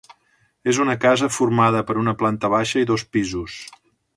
És una casa formada per una planta baixa i dos pisos.